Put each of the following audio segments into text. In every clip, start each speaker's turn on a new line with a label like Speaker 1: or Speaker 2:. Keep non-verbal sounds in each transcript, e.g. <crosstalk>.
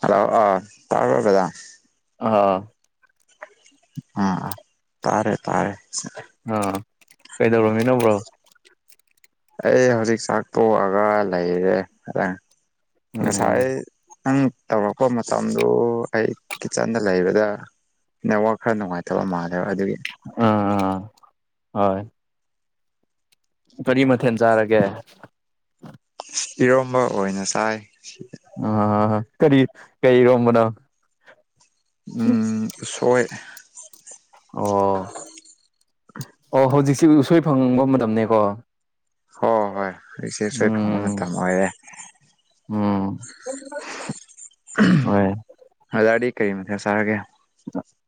Speaker 1: Hello ꯑ ꯇꯥꯔꯕꯕꯦꯗꯥ
Speaker 2: ꯑꯥ
Speaker 1: ꯑ ꯇꯥꯔꯦ ꯇꯥꯔꯦ
Speaker 2: ꯑꯥ ꯀꯩꯗꯧꯔꯝꯃꯤ ꯅꯧꯕ꯭ꯔꯣ
Speaker 1: ꯑꯩ ꯍꯧꯖꯤꯛ ꯆꯥꯛ ꯇꯣꯛꯑꯒ ꯂꯩꯔꯦ
Speaker 2: ꯎꯝ
Speaker 1: ꯉꯁꯥꯏ ꯅꯪ ꯇꯧꯔꯛꯄ ꯃꯇꯝꯗꯨ ꯑꯩ ꯀꯤꯠꯆꯟꯗ ꯂꯩꯕꯗ ꯅꯦꯠꯋꯥꯛ ꯈꯔ ꯅꯨꯡꯉꯥꯏꯇꯕ ꯃꯥꯜꯗꯦꯕ ꯑꯗꯨꯒꯤ
Speaker 2: ꯑꯥ ꯑꯥ ꯍꯣꯏ ꯀꯔꯤ ꯃꯊꯦꯜ ꯆꯥꯔꯒꯦ
Speaker 1: ꯏꯔꯣꯝꯕ ꯑꯣꯏꯅ ꯆꯥꯏ
Speaker 2: ꯑ ꯍ ꯀꯔꯤ ꯀꯩ ꯔꯣꯝꯕꯅ
Speaker 1: ꯎꯝ ꯇꯣꯏ
Speaker 2: ꯑꯣ ꯑꯣ ꯍꯧꯖꯤ ꯎꯁꯣꯏ ꯐꯪꯕ ꯃꯇꯝꯅꯤꯅꯦꯀꯣ
Speaker 1: ꯍꯣ ꯍꯣꯏ ꯁꯦꯁ ꯐꯥꯎꯟꯠꯇ ꯃꯔꯦ
Speaker 2: ꯎꯝ ꯍꯣꯏ
Speaker 1: ꯑꯗ ꯀꯔꯤ ꯃꯊꯥ ꯆꯥꯔꯒꯦ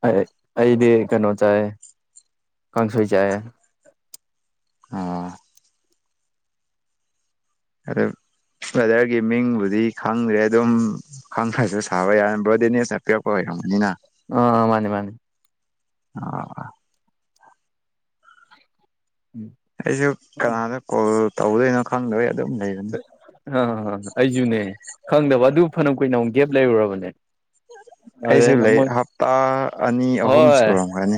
Speaker 2: ꯑꯩ ꯑꯩꯗꯤ ꯀꯩꯅꯣ ꯆꯥꯏ ꯀꯥꯡꯁꯣꯏ ꯆꯥꯏ
Speaker 1: ꯑ ꯑ ꯕ꯭ꯔꯗꯔꯒꯤ ꯃꯤꯡꯕꯨꯗꯤ ꯈꯪꯗ꯭ꯔꯦ ꯑꯗꯨꯝ ꯈꯪꯉ꯭ꯔꯁꯨ ꯁꯥꯕ ꯌꯥꯔꯅꯤ ꯕ꯭ꯔꯣꯗꯤꯅꯦꯁꯅ ꯄꯤꯔꯛꯄ ꯑꯣꯏꯔꯝꯒꯅꯤꯅ
Speaker 2: ꯑ ꯃꯥꯅꯤ ꯃꯥꯅꯤ
Speaker 1: ꯑꯣ ꯑꯩꯁꯨ ꯀꯅꯥꯥꯗ ꯀꯣ ꯇꯧꯗꯣꯏꯅꯣ ꯈꯪꯗꯣꯏ
Speaker 2: ꯑ ꯑꯁꯨꯨꯅꯦ ꯈꯪꯗꯕ ꯑꯗꯨ ꯐꯅ ꯀꯨꯏꯅ ꯑꯃꯨꯛ ꯒꯦꯞ ꯂꯩꯔꯨꯔꯕꯅꯦ
Speaker 1: ꯑꯩꯁꯨ
Speaker 2: ꯑꯗꯨꯅ
Speaker 1: ꯂꯩ
Speaker 2: ꯃꯣꯏ
Speaker 1: ꯍꯞꯇꯥ ꯑꯅꯤ ꯑꯍꯨꯝ
Speaker 2: ꯍꯣꯏ
Speaker 1: ꯁꯨꯔꯝꯒꯅꯤ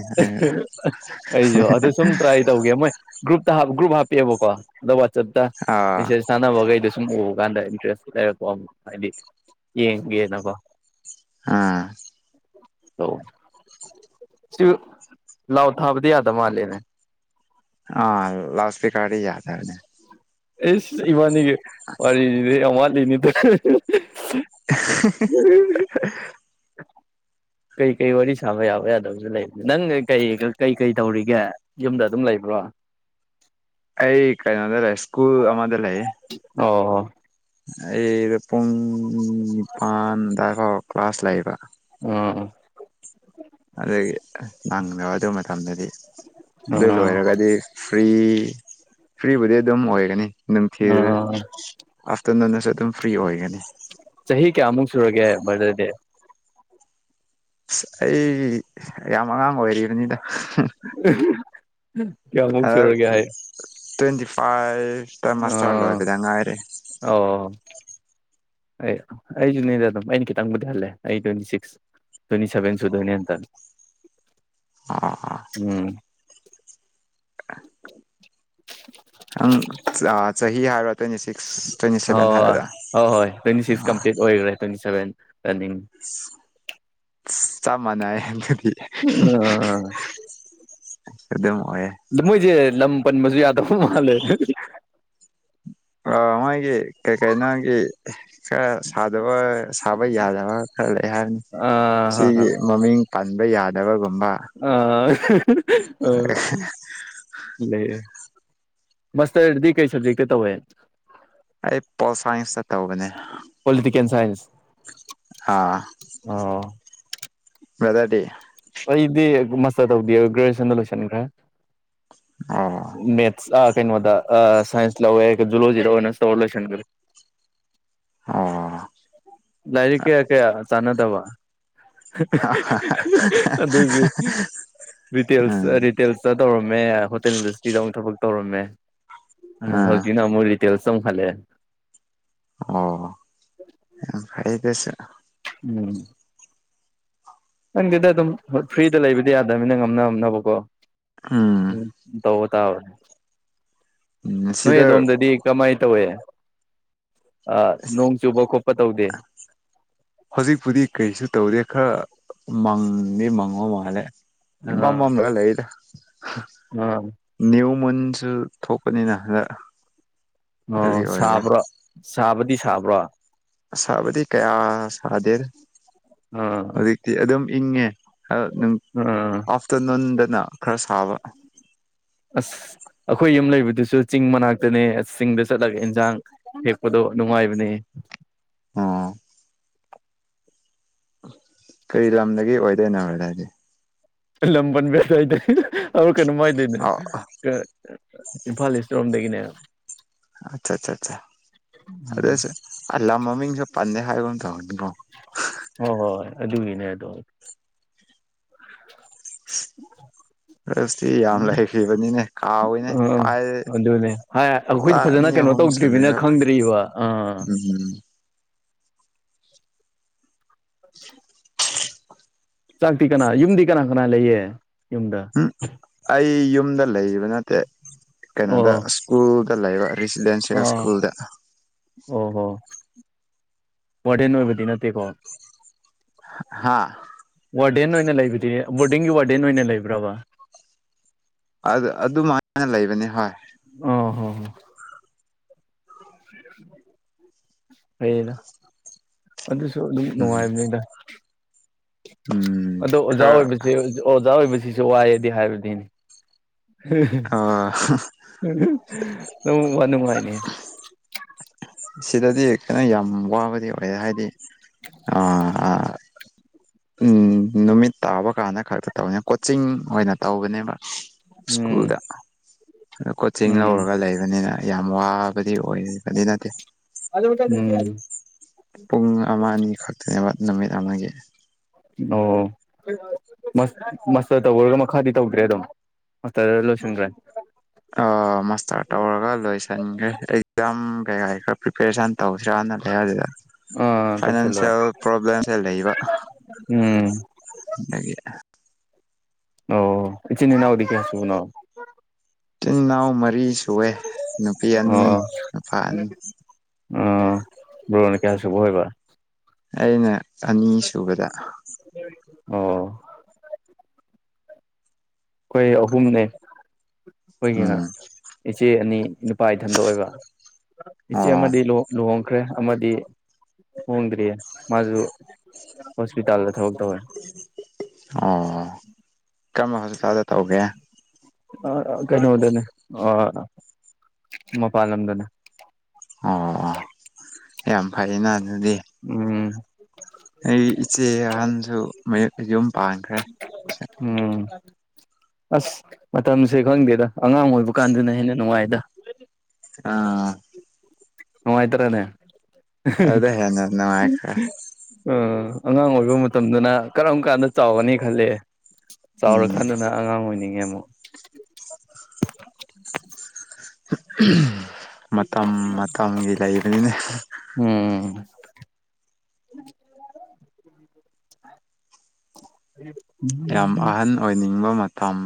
Speaker 2: ꯑꯩꯁꯨ ꯑꯗꯨ ꯁꯨꯝ ꯇ꯭ꯔꯥꯏ ꯇꯧꯒꯦ ꯃꯣꯏ ꯒ꯭ꯔꯨꯞꯇ ꯒ꯭ꯔꯨꯞ ꯄꯤꯕꯣꯀꯣ ꯑ ꯆꯞꯇꯥ
Speaker 1: ꯑꯥ
Speaker 2: ꯃꯦꯁꯦꯁ ꯀꯩꯗꯣ ꯁꯨꯝ ꯎꯕ ꯀꯥꯟꯗ ꯏꯟꯇꯔꯦꯁ ꯂꯩꯔꯛꯄ ꯍꯥꯏꯗꯤ ꯌꯦꯡꯒꯦꯅꯀꯣ
Speaker 1: ꯑ
Speaker 2: ꯑ ꯁꯤ ꯂꯥꯎ ꯊꯥꯕꯗꯤ ꯌꯥꯗ ꯃꯥꯜꯂꯦꯅꯦ
Speaker 1: ꯑꯥ ꯂꯥꯎ ꯏꯁꯄꯤꯀꯥꯔꯗꯤ ꯌꯥꯗꯔꯅꯦ
Speaker 2: ꯑꯦꯁ ꯏ ꯋꯥꯅꯤꯒ ꯋꯥꯔꯤ ꯑꯃꯥ ꯅꯤꯗꯨ ꯎꯝ ꯀꯩꯀꯩ ꯋꯥꯔꯤ ꯁꯥꯕ ꯌꯥꯕ ꯌꯥꯗꯕꯁꯨ ꯂꯩꯕ ꯅꯪꯩ ꯀꯩꯀꯩ ꯇꯧꯔꯤꯒꯦ ꯌꯨꯝꯗ ꯑꯗꯨꯝ ꯂꯩꯕ꯭ꯔꯣ
Speaker 1: ꯑꯩ ꯀꯥꯏꯅꯗ꯭ ꯂꯩ꯫ ꯏꯁꯀꯨꯜ ꯑꯃꯗ ꯂꯩ
Speaker 2: ꯑꯣ
Speaker 1: ꯑꯩꯗꯄꯝ ꯅꯤ ꯄꯥꯟꯗꯍꯛ ꯀ꯭ꯂꯥꯁ ꯂꯩꯕ
Speaker 2: ꯑꯥ
Speaker 1: ꯅꯪꯗꯣ ꯑꯗꯨ ꯃꯇꯝꯗꯗꯤ ꯑꯗꯨꯗ
Speaker 2: ꯎꯝ
Speaker 1: ꯂꯣꯏꯔꯒꯗꯤ ꯐ꯭ꯔꯤ ꯐ꯭ꯔꯤꯕꯨꯗꯤ ꯑꯗꯨꯝ ꯑꯣꯏꯒꯅꯤ ꯅꯝ ꯊ
Speaker 2: ꯎꯝ
Speaker 1: ꯑ ꯇꯅꯅꯁꯨ ꯑꯗꯨꯝ ꯐ꯭ꯔꯤ ꯑꯣꯏꯒꯅꯤ
Speaker 2: ꯆꯍꯤ ꯆꯍꯤ ꯀꯌꯥ ꯑꯃꯨꯛ ꯁꯨꯔꯒꯦ ꯃꯔꯔꯗꯗꯗꯤ
Speaker 1: ꯁ ꯑꯩ ꯌꯥꯝ ꯑꯉꯥꯡ ꯑꯣꯏꯔꯤꯕꯅꯤꯗ
Speaker 2: ꯀꯌꯥ ꯃꯕꯨꯛ
Speaker 1: ꯍꯟꯗꯛ
Speaker 2: ꯆꯔ ꯀꯌꯥ ꯍꯥꯏ
Speaker 1: ꯇ꯭ꯋꯦꯟꯇꯤ ꯐꯥꯏꯚ ꯏꯦ
Speaker 2: ꯑ
Speaker 1: ꯃꯁꯂꯣꯗꯉꯥꯏꯔꯦ
Speaker 2: ꯑꯣ ꯑꯩ ꯑꯩꯁꯨꯅꯦꯗ ꯑꯗꯨꯝ ꯑꯩꯅ ꯈꯤꯇꯪꯕꯨꯗꯤ ꯍꯜꯂꯦ ꯑꯩ ꯇ꯭ꯋꯦꯟꯇꯤ ꯁꯤꯛꯁ ꯇ꯭ꯋꯦꯟꯇꯤ ꯁꯚꯦꯟ ꯁꯨꯗꯣꯏꯅꯦꯟꯇ
Speaker 1: ꯑꯥ
Speaker 2: ꯎꯝ
Speaker 1: ꯑꯪ ꯆꯍꯤꯍꯤ ꯍꯥꯏꯔ
Speaker 2: ꯍꯣꯏ ꯍꯣꯏ ꯍꯣꯏ ꯍꯣꯏ ꯇ꯭ꯋꯦꯟꯇꯤ ꯁꯤꯛꯁ
Speaker 1: ꯑꯥ
Speaker 2: ꯀꯝꯄ꯭ꯂꯤꯠ ꯑꯣꯏꯈ꯭ꯔꯦ ꯇ꯭ꯋꯦꯟꯇꯤ ꯁꯚꯦꯟ ꯀꯅꯤ
Speaker 1: ꯆꯞ ꯃꯥꯟꯅꯩ ꯍꯪꯒꯠ
Speaker 2: ꯑ
Speaker 1: ꯑꯗꯨ
Speaker 2: ꯂꯝ ꯃꯣꯏꯖꯦ ꯂꯝ ꯄ ꯃꯁꯨ ꯌꯥꯗ ꯃꯥꯜꯂꯦ
Speaker 1: ꯑ ꯃꯥꯥꯏꯒꯤ ꯀꯩ ꯀꯩꯅꯣꯒꯤ ꯈꯔ ꯁꯥꯗꯕ ꯁꯥꯕ ꯌꯥꯗꯕ ꯈꯔ ꯂꯩ ꯍꯥꯏꯔꯅꯤ
Speaker 2: ꯑꯥ
Speaker 1: ꯁꯤꯒꯤ ꯃꯃꯤꯡ ꯄꯟꯕ ꯌꯥꯗꯕꯒꯨꯝ
Speaker 2: ꯑ ꯍ ꯑ ꯂꯩ ꯃꯁꯇꯔꯗꯤ ꯀꯩ ꯁꯕꯖꯦꯛꯛꯇ ꯇꯧꯦ
Speaker 1: ꯑꯩ ꯄꯣꯜ ꯁꯥꯏꯟꯁꯇ ꯇꯧꯕꯅꯦ
Speaker 2: ꯄꯣꯂꯤꯇꯤꯀꯦꯜ ꯁꯥꯏꯟꯁ ꯑꯣ
Speaker 1: ꯃꯦꯗꯥꯇ
Speaker 2: ꯑꯩ ꯏꯗꯤꯦ ꯃꯁ ꯇꯧꯗꯤ ꯭ꯔꯦꯖꯨꯌꯦꯦꯁꯟꯗ ꯂꯣꯏꯁꯟꯈ꯭ꯔꯦ
Speaker 1: ꯑꯣ
Speaker 2: ꯃꯦꯠ ꯑ ꯀꯩꯅꯅꯨꯡ ꯁꯥꯏꯟꯁ ꯂꯋꯦ ꯖꯨꯂꯣꯖꯤ ꯂꯋꯦ ꯅ ꯂꯦꯁꯟꯔꯦ
Speaker 1: ꯑꯣ
Speaker 2: ꯂꯥꯏꯔꯤꯛ ꯀꯌꯥ ꯀꯌꯥ ꯆꯥꯟꯅꯗꯕ ꯑꯗꯨꯒꯤ ꯇꯁ
Speaker 1: ꯎꯝ
Speaker 2: ꯔꯤꯇꯦꯜꯁꯇ ꯇꯧꯔꯝꯃꯦ ꯍꯣꯇꯦꯜꯗꯁꯇꯤꯗ ꯑꯃꯛ ꯊꯕꯛ ꯇꯧꯔꯝꯃꯦ ꯑ
Speaker 1: ꯑꯥ
Speaker 2: ꯍꯧꯖꯤ ꯏ ꯅ ꯃ ꯇꯦꯜꯁꯝ ꯐꯂꯦ
Speaker 1: ꯑꯣ ꯍꯥꯏꯗꯁ
Speaker 2: ꯎꯝ ꯅꯪꯗꯨꯗ ꯑꯗꯨꯝ ꯐ꯭ꯔꯤꯗ ꯂꯩꯕꯗꯤ ꯌꯥꯗꯕꯅꯤꯅ ꯉꯝꯅꯝꯅꯕꯀꯣ ꯎꯝ ꯇ ꯀ ꯅꯣꯏ
Speaker 1: ꯁꯤꯗ
Speaker 2: ꯌꯦ ꯗꯣꯝꯗꯗꯤ ꯀꯃꯥꯏ ꯠꯇꯕꯨꯦ
Speaker 1: ꯍꯧꯖꯤꯛꯄꯨꯗꯤ ꯀꯩꯁꯨ ꯇꯧꯔꯦ ꯈꯔ ꯃꯪꯅꯤ ꯃꯉꯣ ꯃꯥꯂꯦ
Speaker 2: ꯑꯥ
Speaker 1: ꯏꯃꯃꯝ ꯂꯩꯗ
Speaker 2: ꯑꯥ
Speaker 1: ꯅ ꯃꯨꯟꯁꯨ ꯊꯣꯛꯄꯅꯤꯅ ꯍꯗ
Speaker 2: ꯑꯣ ꯁꯥꯕ꯭ꯔ ꯁꯥꯕꯗꯤ ꯁꯥꯕ꯭ꯔꯣ
Speaker 1: ꯁꯥꯥꯕꯗꯤ ꯀꯌꯥ ꯁꯥꯗꯦꯅ
Speaker 2: ꯑꯥ
Speaker 1: ꯍꯧꯖꯤꯛꯇꯤ ꯑꯗꯨ ꯑꯗꯨꯝ ꯏꯉꯦ
Speaker 2: ꯑꯥ
Speaker 1: ꯑꯥꯐꯇꯔꯅꯨꯟꯗꯅ ꯈꯔ ꯁꯥꯕ ꯑ
Speaker 2: ꯑꯁ ꯑꯩꯈꯣꯏ ꯌꯨꯝ ꯂꯩꯕꯗꯨꯁꯨ ꯆꯤꯡ ꯃꯅꯥꯛꯇꯅꯦ ꯑꯁ ꯆꯤꯡꯗ ꯆꯠꯂꯒ ꯏꯟꯁꯥꯡ ꯍꯦꯛꯄꯗꯣ ꯅꯨꯡꯉꯥꯏꯕꯅꯦ
Speaker 1: ꯑ ꯀꯔꯤ ꯂꯝꯗꯒꯤ ꯑꯣꯏꯗꯣꯏꯅꯣ ꯍꯥꯏꯗ ꯍꯥꯏꯗꯤ
Speaker 2: ꯂꯄꯟ ꯦꯁꯥꯏꯗ ꯀ ꯅꯨꯡꯉꯥꯏꯗꯣꯏꯅꯦ
Speaker 1: ꯑꯣ
Speaker 2: ꯏꯝꯐꯥꯜ ꯏꯁꯔꯣꯝꯗꯒꯤꯅꯦ
Speaker 1: ꯑꯆꯥ ꯑꯆꯥ
Speaker 2: ꯎꯝ
Speaker 1: ꯑꯗꯨꯁ ꯑ ꯃꯃꯤ ꯄꯥꯟꯅꯦ ꯍꯥꯏꯒꯣꯟ ꯇ ꯊꯧꯅꯤ
Speaker 2: ꯑꯣ ꯍꯣꯏ ꯍꯣꯏ ꯑꯗꯨꯅꯦ ꯇꯣ
Speaker 1: ꯔꯁꯇꯤ ꯌꯥꯝ ꯂꯩꯈ꯭ꯔꯤꯕꯅꯤꯅꯦ ꯀꯥꯎꯋꯤꯅꯦ
Speaker 2: ꯑꯥ
Speaker 1: ꯄꯥꯏꯦ
Speaker 2: ꯑꯗꯨꯅꯦ ꯍꯥꯏ
Speaker 1: ꯍꯞꯇꯥ
Speaker 2: ꯑꯩꯈꯣꯏꯗꯤ ꯐꯖꯅ
Speaker 1: ꯑꯅꯤ
Speaker 2: ꯀꯩꯅꯣ
Speaker 1: ꯑꯍꯨꯝ
Speaker 2: ꯇꯧꯗ꯭ꯔꯤꯕꯅꯤꯅ
Speaker 1: ꯁꯨꯨꯔ
Speaker 2: ꯈꯪꯗ꯭ꯔꯤꯕ ꯑꯥ
Speaker 1: ꯎꯝ
Speaker 2: ꯆꯥꯛꯇꯤ ꯀꯅꯥ ꯌꯨꯝꯗꯤ ꯀꯅꯥ ꯁꯅꯥ ꯂꯩꯌꯦ ꯌꯨꯝꯗ
Speaker 1: ꯎꯝ ꯑꯩ ꯌ ꯌꯨꯝꯗ ꯂꯩꯔꯤꯕ ꯅꯠꯇꯦ
Speaker 2: ꯑꯣ
Speaker 1: ꯀꯩꯅꯣꯗ ꯁ꯭ꯀꯨꯜ ꯆ ꯂꯩꯕ ꯔꯦꯁꯤꯗꯦꯟꯁꯜ ꯁ꯭ꯀꯨꯜꯗ
Speaker 2: ꯋꯥꯇꯦꯟ ꯑꯣꯏꯕꯗꯤ ꯅꯠꯇꯦꯀꯣ
Speaker 1: ꯍꯥꯥ
Speaker 2: ꯋꯥꯔꯗꯦꯟ ꯑꯣꯏꯅ ꯂꯩꯕꯗꯤ ꯕꯣꯔꯗꯤꯡꯒꯤ ꯋꯥꯔꯗꯦꯟ ꯑꯣꯏꯅ ꯂꯩꯕ꯭ꯔꯕ
Speaker 1: ꯑꯗꯨ ꯑꯗꯨꯃꯥꯏꯅ ꯂꯩꯕꯅꯤ ꯍꯣꯏ
Speaker 2: ꯎꯝ ꯍꯅ ꯑꯗꯨꯁꯨ ꯑꯗꯨꯝ
Speaker 1: ꯎꯝ
Speaker 2: ꯅꯨꯡꯉꯥꯏꯕꯅꯤꯗ
Speaker 1: ꯎꯝ
Speaker 2: ꯑꯣꯖꯥꯎꯕꯣꯏ ꯁꯤ ꯑꯣꯖꯕꯣꯏ ꯁꯤ ꯁꯨ ꯋꯥꯏꯑꯗꯤ ꯍꯥꯏꯕꯗꯤꯅꯤ
Speaker 1: ꯈꯔ
Speaker 2: ꯋꯥ ꯅꯨꯡꯉꯥꯏꯅꯦ
Speaker 1: ꯁꯤꯗꯗꯤ ꯀꯩꯅꯣ ꯌꯥꯝ ꯋꯥꯕꯗꯤ ꯍꯥꯏꯗꯤ ꯑ ꯎꯝ ꯅꯨꯃꯤꯠ ꯇꯥꯕ ꯀꯥꯟꯗ ꯈꯛꯇ ꯇꯧꯅꯤ ꯀꯣꯆꯤꯡ ꯑꯣꯏꯅ ꯇꯧꯕꯅꯦꯕ ꯁ꯭ꯀꯨꯜꯗ
Speaker 2: ꯎꯝ
Speaker 1: ꯑ ꯀꯣꯆꯤꯡ
Speaker 2: ꯎꯝ
Speaker 1: ꯂꯧꯔꯒ ꯂꯩꯕꯅꯤꯅ ꯌꯥꯝ ꯋꯥꯕꯗꯤ ꯑꯣꯏ ꯑꯗꯨꯗꯤ ꯅꯠꯇꯦ
Speaker 2: ꯎꯝ
Speaker 1: ꯄꯨꯡ ꯑꯃ ꯑꯅꯤ ꯈꯛꯇꯅꯦꯕ ꯅꯨꯃꯤꯠ ꯑꯃꯒꯤꯒꯤ
Speaker 2: ꯑꯣ ꯃꯥꯁꯇꯔ ꯇꯧꯕꯔꯒ ꯃꯈꯥꯗꯤ ꯇꯧꯗ꯭ꯔꯦ ꯑꯗꯨꯝ ꯃꯥꯁꯇꯔꯗ ꯂꯣꯏꯁꯤꯟꯈ꯭ꯔꯦ
Speaker 1: ꯑ ꯃꯥꯁꯇꯔ ꯇꯧꯔꯒ ꯂꯣꯏꯁꯟꯒꯦ ꯑꯦꯛꯖꯥꯝ ꯀꯩꯀꯥꯏ ꯈꯔ ꯄ꯭ꯔꯤꯄꯦꯔꯦꯁꯟ ꯇꯧꯁꯤꯔꯥꯅ ꯂꯩ ꯑꯗꯨꯗ
Speaker 2: ꯑꯥ ꯇꯧꯁꯜꯂꯣ
Speaker 1: ꯐꯥꯏꯅꯥꯟꯁꯤꯜ ꯄꯣꯕꯂꯦꯝꯝꯁꯦ ꯂꯩ ꯏꯕ
Speaker 2: ꯎꯝ
Speaker 1: <unintelligible>
Speaker 2: ꯑꯣ ꯏꯆꯤꯟꯅꯤ ꯏꯅꯥꯎꯔꯤ ꯀ ꯍꯥꯁꯨꯕꯅꯣ
Speaker 1: ꯇꯤ ꯏꯅꯥꯎ ꯃꯔꯤ ꯑꯩ ꯁꯑꯦ ꯅꯨꯄꯤ ꯑꯅꯤ ꯅꯨꯄꯥ ꯑꯅꯤ
Speaker 2: ꯑ ꯭ꯔꯅꯤ ꯀꯦ ꯍꯥꯏꯁꯨꯕꯍꯣꯏꯕ
Speaker 1: ꯑꯩꯅ ꯑꯅꯤ ꯁꯨꯕꯗ
Speaker 2: ꯑꯣ ꯑꯩꯈꯣꯏ ꯑꯍꯨꯝꯅꯦ ꯑꯩꯈꯣꯏꯒꯤꯅ
Speaker 1: ꯎꯝ
Speaker 2: ꯏꯆꯦ ꯑꯅꯤ ꯅꯨꯄꯥ ꯏꯊꯟꯗ ꯑꯣꯏꯕ ꯏꯆꯦ
Speaker 1: ꯑꯣ
Speaker 2: ꯑꯃꯗꯤ ꯂꯨꯍꯣꯡ ꯈ꯭ꯔꯦ ꯑꯃꯗꯤ ꯍꯣꯡꯗ꯭ꯔꯤꯌꯦ ꯃꯥꯁꯨ ꯍꯣꯁꯄꯤꯇꯥꯜꯗ ꯊꯧꯖꯦ
Speaker 1: ꯑꯣ ꯀꯔꯝꯕ ꯍꯣꯁꯄꯤꯇꯥꯜꯗ ꯇꯧꯒꯦ
Speaker 2: ꯑꯥ ꯑ ꯀꯩꯅꯣꯗꯅꯦ ꯑ ꯃꯄꯥꯟ ꯂꯝꯗꯅꯦ
Speaker 1: ꯑꯣ ꯌꯥꯝ ꯐꯩꯅ ꯑꯗꯨꯗꯤ
Speaker 2: ꯎꯝ
Speaker 1: ꯑꯩ ꯏꯆꯦ ꯑꯍꯟꯁꯨ ꯃꯌꯨ ꯃꯌꯨꯝ
Speaker 2: ꯎꯝ ꯑꯁ ꯃꯇꯝꯁꯦ ꯈꯪꯗꯦꯗ ꯑꯉꯥꯡ ꯑꯣꯏꯕ ꯀꯥꯟꯗꯨꯅ ꯍꯦꯟꯅ ꯅꯨꯡꯉꯥꯏꯗ
Speaker 1: ꯑꯥ
Speaker 2: ꯅꯨꯡꯉꯥꯏ ꯇꯔꯅꯦ
Speaker 1: ꯑꯗꯨꯗ ꯍꯦꯟꯅ ꯅꯨꯉꯥꯏꯈ꯭ꯔꯦ
Speaker 2: ꯑꯥ ꯑꯉꯥꯡ ꯑꯣꯏꯕ ꯃꯇꯝꯗꯅ ꯀꯔꯝ ꯀꯥꯟꯗ ꯆꯥꯎꯒꯅꯤ ꯈꯜꯂꯦ
Speaker 1: ꯎꯝ
Speaker 2: ꯆꯥꯎꯔꯀꯥꯟꯗꯅ ꯑꯉꯥꯡ ꯑꯣꯏꯅꯤꯡꯉꯦ ꯑꯝ
Speaker 1: ꯑꯍꯝ ꯃꯇꯝ ꯃꯇꯝꯒꯤ ꯂꯩꯕꯅꯤꯅꯦ
Speaker 2: ꯎꯝ <unintelligible>
Speaker 1: ꯌꯥꯝ ꯑꯍꯟ ꯑꯣꯏꯅꯤꯡꯕ ꯃꯥ ꯇꯝ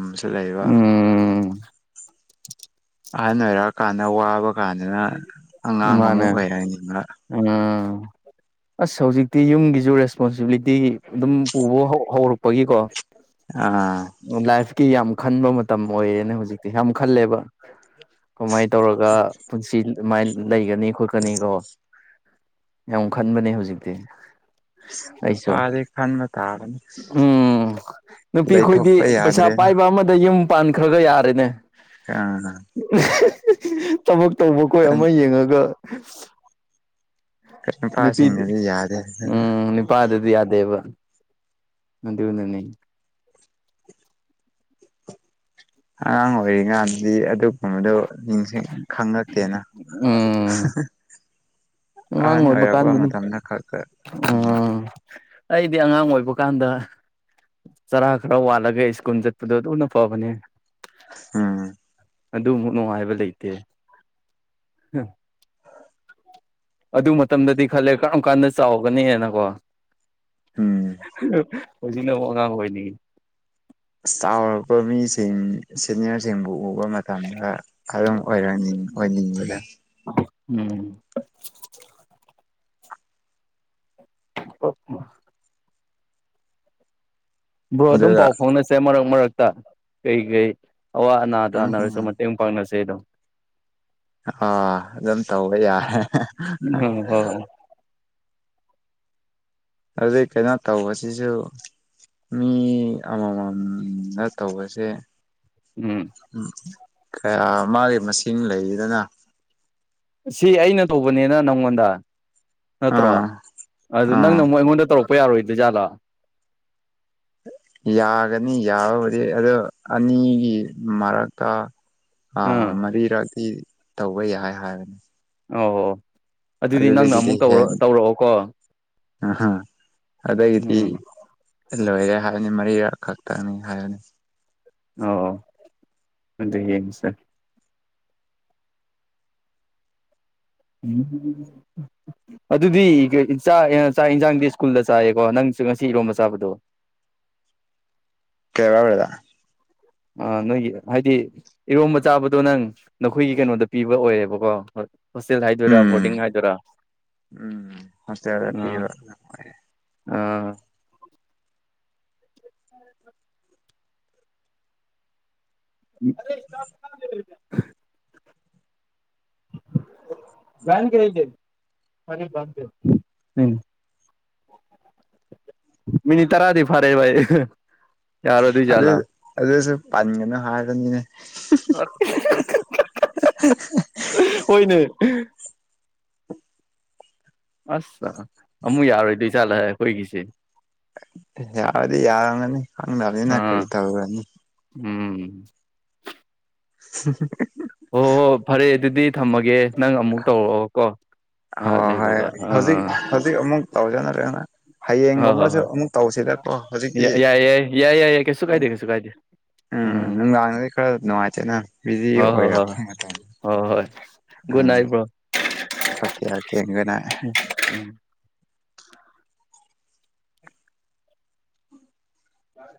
Speaker 2: ꯎꯝ <inaudible>
Speaker 1: ꯑꯍꯟ ꯑꯣꯏꯔꯛꯑ ꯀꯥꯟꯗ ꯋꯥꯕ ꯀꯥꯟꯗꯨꯅ ꯑꯉꯥꯡ ꯑꯃꯨꯛ
Speaker 2: ꯃꯥꯅꯦ
Speaker 1: ꯑꯣꯏꯔꯛꯅꯤꯡꯕ
Speaker 2: ꯎꯝ ꯑꯁ ꯍꯧꯖꯤꯛꯇꯤ ꯌꯨꯝꯒꯤꯁꯨ ꯔꯦꯁꯄꯣꯟꯁꯤꯕꯤꯂꯤꯇꯤ ꯑꯗꯨꯝ ꯄꯨꯕ ꯍꯧ ꯍꯧꯔꯛꯄꯒꯤꯀꯣ
Speaker 1: ꯑꯥ
Speaker 2: ꯎꯝ ꯂꯥꯏꯐ ꯀꯤ ꯌꯥꯝ ꯈꯟꯕ ꯃꯇꯝ ꯑꯣꯏꯔꯦꯅꯦ ꯍꯧꯖꯤꯛꯇꯤ ꯌꯥꯝ ꯈꯜꯂꯦꯕ ꯀꯃꯥꯏꯅ ꯇꯧꯔꯒ ꯄꯨꯟꯁꯤ ꯑꯗꯨꯃꯥꯏꯅ ꯂꯩꯒꯅꯤ ꯈꯣꯠꯀꯅꯤ ꯀꯣ ꯌꯥꯝ ꯈꯟꯕꯅꯦ ꯍꯧꯖꯤꯛꯇꯤ ꯑꯩꯁꯨꯣ
Speaker 1: ꯅꯨꯄꯥꯗꯤ ꯈꯟꯕ ꯇꯥꯕꯅꯤ
Speaker 2: ꯎꯝ ꯅꯨꯞ ꯅꯨꯄꯤ ꯑꯩꯈꯣꯏꯗꯤ
Speaker 1: ꯂꯩꯊꯣꯛꯄ
Speaker 2: ꯄꯩꯁꯥ
Speaker 1: ꯌꯥꯗ꯭ꯔꯦꯅ
Speaker 2: ꯄꯥꯏꯕ ꯑꯃꯗ ꯌꯨꯝ ꯄꯥꯟꯈ꯭ꯔꯒ ꯌꯥꯔꯦꯅꯦ
Speaker 1: ꯑꯥ
Speaker 2: ꯊꯕꯛ ꯇꯧꯕꯈꯣꯏ ꯑꯃ ꯌꯦꯡꯉꯒ <inaudible> ꯅꯨꯄꯤꯗꯤ
Speaker 1: ꯅꯨꯄꯥꯁꯤꯡꯅꯗꯤ ꯌꯥꯗꯦ ꯑꯗꯨꯅ
Speaker 2: ꯎꯝ ꯅꯨꯄꯥꯗꯗꯤ ꯌꯥ ꯗꯦꯕ ꯑꯗꯨꯅꯥꯅꯦ
Speaker 1: ꯑꯉꯥꯡ ꯑꯣꯏꯔꯤ ꯀꯟꯗꯗꯤ ꯑꯗꯨ ꯃꯗꯣ ꯅꯤꯡꯁꯤꯡ ꯈꯪꯉꯛꯇꯦꯅ
Speaker 2: ꯎꯝ ꯑꯉꯥꯡ ꯑꯣꯏꯕ ꯀꯥꯟꯗ ꯗꯨꯝ
Speaker 1: ꯈꯛꯇ
Speaker 2: ꯎꯝ ꯑꯩꯗꯤ ꯑꯉꯥꯡ ꯑꯣꯏꯕ ꯀꯥꯟꯗ ꯆꯔꯥ ꯈꯔ ꯋꯥꯠꯂꯒ ꯁ꯭ꯀꯨꯜ ꯆꯠꯄꯗꯣ ꯑꯗꯨꯅ ꯐꯕꯅꯦ
Speaker 1: ꯎꯝ
Speaker 2: ꯑꯗꯨꯃꯨꯛ ꯅꯨꯡꯉꯥꯏꯕ ꯂꯩꯇꯦ ꯑꯗꯨ ꯃꯇꯝꯗꯗꯤ ꯈꯜꯂꯦ ꯀꯔꯝ ꯀꯥꯟꯗ ꯆꯥꯎꯒꯅꯤꯅꯀꯣ
Speaker 1: ꯎꯝ
Speaker 2: <unintelligible> ꯍꯧꯖꯤꯛꯅ ꯑꯃꯨꯛ ꯑꯉꯥꯡ ꯑꯣꯏꯅꯤꯡꯉꯤ
Speaker 1: ꯑꯁ ꯆꯥꯎꯔꯛꯄ ꯃꯤꯁꯤꯡ ꯁꯦꯅꯤꯌꯔꯁꯤꯡꯕꯨ ꯎ ꯎꯕ ꯃꯇꯝꯗ ꯑꯗꯨꯝ ꯑꯣꯏꯔꯅꯤꯡ ꯑꯣꯏꯅꯤꯡꯕꯗ
Speaker 2: ꯎꯝ <unintelligible> ꯕ꯭ꯔꯣ ꯑꯗꯨꯝ
Speaker 1: ꯑꯗꯨꯒ
Speaker 2: ꯄꯥꯎ ꯐꯥꯎꯅꯁꯦ ꯃꯔꯛ ꯃꯔꯛ ꯇꯥ ꯀꯩ ꯀꯩ ꯑꯋꯥ ꯑꯅꯥ
Speaker 1: ꯎꯝ
Speaker 2: ꯇꯥꯅꯔꯁꯨ
Speaker 1: ꯎꯝ
Speaker 2: ꯃꯇꯦꯡ ꯄꯥꯡꯅ <unintelligible>
Speaker 1: ꯑꯥ ꯑꯗꯨꯝ ꯇꯧꯕ ꯌꯥꯔꯦ
Speaker 2: ꯎꯝ ꯍꯣꯏ ꯍꯣꯏ
Speaker 1: ꯑꯗꯨꯗꯩꯩ ꯀꯩꯅꯣ ꯇꯧꯕꯁꯤꯁꯨ ꯃꯤ ꯑꯃꯃꯝꯅ ꯇꯧꯕꯁꯦ ꯎꯝ ꯀꯌꯥ ꯃꯥꯒꯤ ꯃꯁꯤꯡ ꯂꯩꯗꯅ
Speaker 2: ꯁꯤ ꯑꯩꯅ ꯇꯧꯕꯅꯦꯅ ꯅꯪꯉꯣꯟꯗ ꯅꯠꯇ꯭ꯔꯣ
Speaker 1: ꯑꯥ
Speaker 2: ꯑꯗꯨ ꯅꯪꯅ
Speaker 1: ꯑꯥ
Speaker 2: ꯑꯃꯨꯛ ꯑꯩꯉꯣꯟꯗ ꯇꯧꯔꯛꯄ ꯄꯄ ꯌꯥꯔꯣꯏꯗꯩꯩ ꯖꯥꯠꯂꯤ
Speaker 1: ꯌꯥꯒꯅꯤ ꯌꯥꯕꯨꯗꯤ ꯑꯗꯣ ꯑꯅꯤꯒꯤ ꯃꯔꯛꯇ ꯑ
Speaker 2: ꯑꯥ
Speaker 1: ꯃꯔꯤ ꯔꯥꯛꯗꯤ ꯇꯧꯕ ꯌꯥꯏ ꯍꯥꯏꯕꯅꯤ
Speaker 2: ꯑꯣ ꯑꯗꯨꯗꯤ ꯅꯪꯅ
Speaker 1: ꯑꯗꯨꯗꯒꯤꯗꯤ
Speaker 2: ꯑꯃꯨꯛ ꯇꯧꯔ
Speaker 1: ꯍꯦꯟ
Speaker 2: ꯇꯧꯔꯛꯑꯣꯀꯣ
Speaker 1: ꯑ ꯑꯗꯩꯩꯗꯤ
Speaker 2: ꯎꯝ
Speaker 1: ꯂꯣꯏꯔꯦ ꯍꯥꯏꯕꯅꯤ ꯃꯔꯤꯔꯛ ꯈꯛꯇꯪꯅꯤ ꯍꯥꯏꯔꯅꯤ
Speaker 2: ꯑꯣ ꯑꯗꯣ ꯌꯦꯡꯁꯦ ꯎꯝ ꯑꯗꯨꯗꯤ ꯆꯥꯛ ꯆꯥꯛ ꯌꯦꯟꯁꯥꯡꯗꯤ ꯁ꯭ꯀꯨꯜꯗ ꯆꯥꯏꯌꯦꯀꯣ ꯅꯪꯁꯨ ꯉꯁꯤ ꯏꯔꯣꯝꯕ ꯆꯥꯕꯗꯣ
Speaker 1: ꯀꯦꯔꯥ ꯑꯣꯏꯋꯗ
Speaker 2: ꯑ ꯅꯣꯏꯒꯤ ꯍꯥꯏꯗꯤ ꯏꯔꯣꯝꯕ ꯆꯥꯕꯗꯣ ꯅꯪ ꯅꯈꯣꯏꯒꯤ ꯀꯩꯅꯣꯗ ꯄꯤꯕ ꯑꯣꯏꯌꯦꯦꯕꯀꯣ
Speaker 1: ꯎꯝ ꯎꯝ ꯍꯇꯄꯤꯤ
Speaker 2: ꯑꯥ ꯑꯥ ꯃꯤꯅꯤ ꯇꯔꯥꯗꯤ ꯐꯔꯦ
Speaker 1: ꯑꯗ
Speaker 2: ꯌꯥꯔꯣꯏꯗꯣꯏꯖꯥꯠꯂꯥ
Speaker 1: ꯑꯗ ꯄꯅ ꯍꯥꯏꯔꯅꯦ
Speaker 2: ꯑꯣꯏꯣꯏ ꯅ ꯑꯁ ꯑꯃꯨꯛ ꯌꯥꯔꯣꯏꯗꯣꯏ ꯆꯠꯂꯦ ꯑꯩꯈꯣꯏꯒꯤꯁꯦ
Speaker 1: ꯌꯥꯎꯗꯤ ꯌꯥꯔꯒꯅꯤ ꯍꯪꯗꯅꯤꯅ
Speaker 2: ꯑꯥ
Speaker 1: ꯀꯔꯤ ꯇꯧꯒꯅꯤ
Speaker 2: ꯎꯝ
Speaker 1: <unintelligible>
Speaker 2: ꯍꯣꯏ ꯍꯣ ꯍꯣꯏ ꯐꯔꯦ ꯑꯗꯨꯗꯤ ꯊꯝꯃꯒꯦ ꯅꯪ ꯑꯃꯨꯛ ꯇꯧꯔꯛꯑꯣ ꯀꯣ ꯉꯥꯏꯍꯥꯛ
Speaker 1: ꯍꯣꯏ ꯍꯣꯏ
Speaker 2: ꯂꯩꯕꯒ
Speaker 1: ꯍꯧꯖꯤꯛ
Speaker 2: ꯑꯥ
Speaker 1: ꯍꯧꯖꯤꯛ ꯑꯃꯨꯛ ꯇꯧꯖꯅ ꯅ
Speaker 2: ꯍꯣꯏ ꯍꯣꯏ
Speaker 1: ꯍꯌꯦꯡꯒꯨꯝꯕꯁꯨ
Speaker 2: ꯍꯣꯏ
Speaker 1: ꯑꯃꯨꯛ ꯇꯧꯁꯤꯔꯀꯣ ꯍꯧꯖꯤꯛꯇꯤ
Speaker 2: ꯌꯥꯏ ꯌꯥꯏ ꯌꯥꯏ ꯌꯥꯏ ꯌꯥꯏ ꯀꯩꯁꯨ ꯀꯥꯏꯗꯦ
Speaker 1: ꯀꯩꯅꯣ
Speaker 2: ꯀꯩꯁꯨ ꯀꯥꯏꯗꯦ
Speaker 1: ꯎꯝ ꯅꯨꯡꯗꯥꯡꯗꯗꯤ ꯈꯔ ꯅꯨꯡꯉꯥꯏꯇꯦꯅ ꯕꯤꯖꯤ
Speaker 2: ꯍꯣꯏ ꯍꯣꯏ
Speaker 1: ꯑꯣꯏꯌꯦꯦꯕ
Speaker 2: ꯍꯣꯏ ꯍꯣꯏ ꯍꯣꯏ
Speaker 1: ꯑ
Speaker 2: good night bro
Speaker 1: okay okay ꯏꯅ
Speaker 2: ꯎ ꯌꯥ